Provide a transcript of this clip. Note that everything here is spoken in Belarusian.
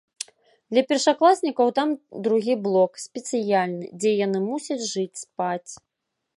Для першакласнікаў там другі блок, спецыяльны, дзе яны мусяць жыць, спаць.